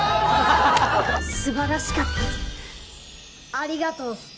ありがとうぞ。